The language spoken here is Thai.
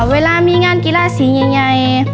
เวลามีงานกีฬาสีใหญ่